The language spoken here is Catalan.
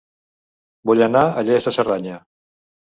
Vull anar a Lles de Cerdanya